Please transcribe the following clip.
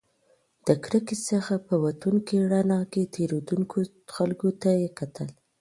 د کړکۍ څخه په وتونکې رڼا کې تېرېدونکو خلکو ته کتل.